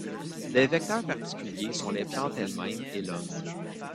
Des vecteurs particuliers sont les plantes elles-mêmes et l'homme.